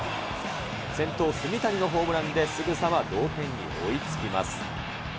先頭、炭谷のホームランですぐさま同点に追いつきます。